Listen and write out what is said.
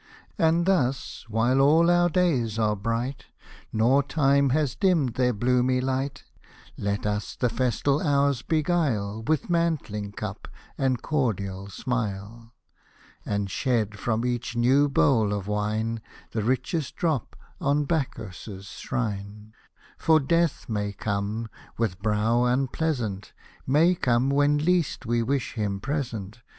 And thus while all our days are bright, Nor time has dimmed their bloomy light, Let us the festal hours beguile With mantling cup and cordial smile ; And shed from each new bowl of wine The richest drop on Bacchus' shrine. 240 Hosted by Google ODES OF ANACREON 241 For Death may come, with brow unpleasant, May come, when least we wish him present.